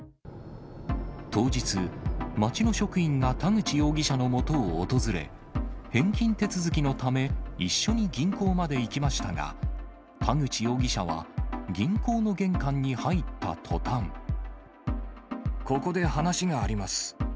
当日、町の職員が田口容疑者のもとを訪れ、返金手続きのため、一緒に銀行まで行きましたが、田口容疑者は、ここで話があります。